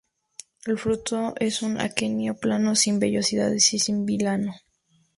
El fruto es un aquenio plano, sin vellosidades y sin vilano.